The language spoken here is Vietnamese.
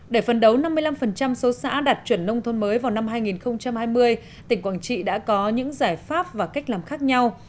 để phấn đấu năm mươi năm số xã đạt chuẩn nông thôn mới vào năm hai nghìn hai mươi tỉnh quảng trị đã có những giải pháp và cách làm khác nhau